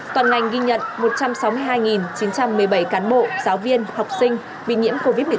toàn ngành ghi nhận một trăm sáu mươi hai chín trăm một mươi bảy cán bộ giáo viên học sinh bị nhiễm covid một mươi chín